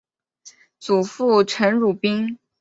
祖父陈鲁宾。